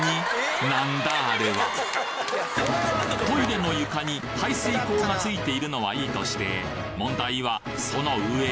なんだあれはトイレの床に排水口がついているのはいいとして問題はその上！